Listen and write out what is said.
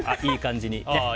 いい感じに。